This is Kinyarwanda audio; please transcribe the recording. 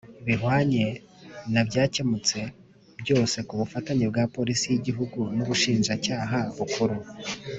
bihwanye na byakemutse byose kubufatanye bwa Polisi y Igihugu n Ubushinjacyaha Bukuru